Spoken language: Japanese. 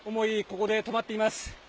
ここで止まっています。